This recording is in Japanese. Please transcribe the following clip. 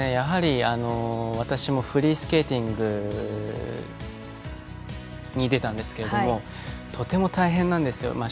私もフリースケーティング出たんですがとても大変なんですよ。